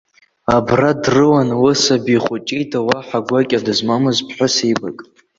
Абра дрылан лысаби хәыҷ ида уаҳа гәакьа дызмамыз ԥҳәысеибак.